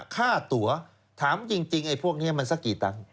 ค่าตัวถามจริงไอ้พวกนี้มันสักกี่ตังค์